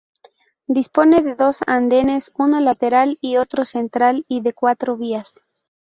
Dispone de dos andenes uno lateral y otro central y de cuatro vías.